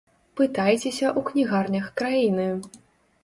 Пытайцеся ў кнігарнях краіны!